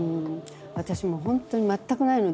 私もう本当に全くないので。